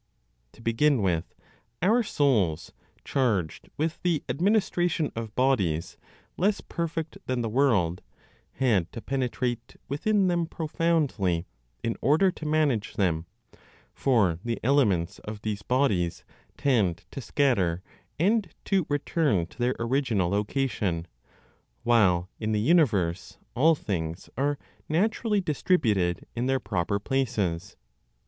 To begin with, our souls, charged with the administration of bodies less perfect than the world, had to penetrate within them profoundly in order to manage them; for the elements of these bodies tend to scatter, and to return to their original location, while, in the universe, all things are naturally distributed in their proper places.